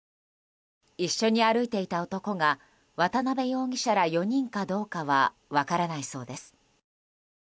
一緒に歩いていた男が渡邉容疑者ら４人かどうかは分からないそうです。